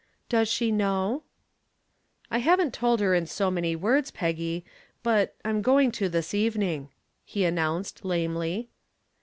"Does she know?" "I haven't told her in so many words, Peggy, but but I'm going to this evening," he announced, lamely.